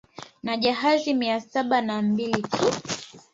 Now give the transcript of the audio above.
Na jahazi mia saba na mbili tu